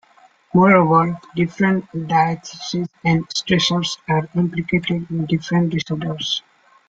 Moreover, different diatheses and stressors are implicated in different disorders.